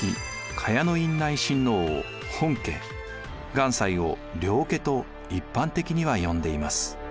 願西を領家と一般的には呼んでいます。